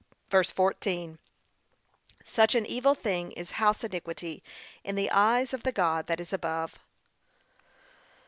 (ver. 14) Such an evil thing is house iniquity in the eyes of the God that is above.